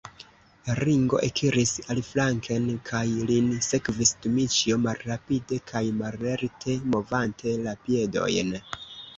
Ringo ekiris aliflanken, kaj lin sekvis Dmiĉjo, malrapide kaj mallerte movante la piedojn.